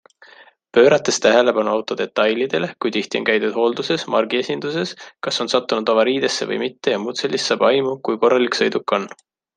Pöörates tähelepanu auto detailidele - kui tihti on käidud hoolduses, margiesinduses, kas on sattunud avariidesse või mitte jms, saab aimu, kui korralik sõiduk on.